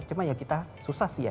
cuma ya kita susah sih ya